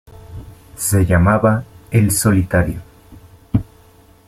Se llamaba "El solitario".